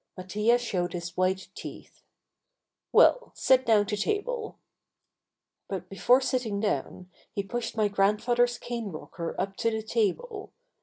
Mattia showed his white teeth. "Well, sit down to table." But before sitting down he pushed my grandfather's cane rocker up to the table.